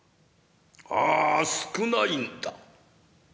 「ああ少ないんだ。